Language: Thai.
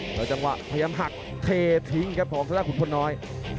แล้วจังหวะพยายามหักเททิ้งครับของธนาขุนพลน้อย